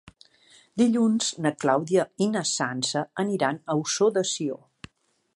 Dilluns na Clàudia i na Sança aniran a Ossó de Sió.